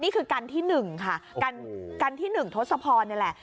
นี่คือกันที่หนึ่งค่ะกันที่หนึ่งทศพรนี่แหละ